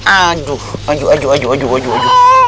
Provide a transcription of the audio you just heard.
aduh aduh aduh aduh aduh aduh